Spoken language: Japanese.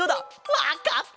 わかった！